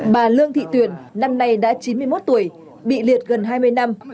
bà lương thị tuyền năm nay đã chín mươi một tuổi bị liệt gần hai mươi năm